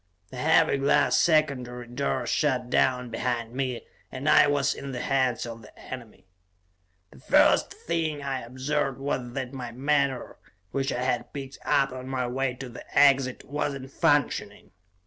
The heavy glass secondary door shot down behind me, and I was in the hands of the enemy. The first thing I observed was that my menore, which I had picked up on my way to the exit, was not functioning.